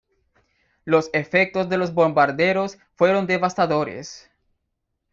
Los efectos de los bombardeos fueron devastadores.